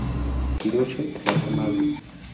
Hiroshi Watanabe